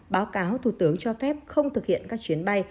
báo cáo thủ tướng cho phép không thực hiện các chuyến bay